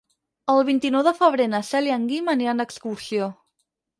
El vint-i-nou de febrer na Cel i en Guim aniran d'excursió.